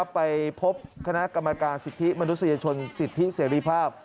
ไปพบคณะกรรมการสิทธิมนุษยชนสิทธิเสรีภาพ